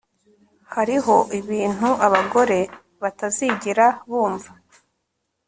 Hariho ibintu abagore batazigera bumva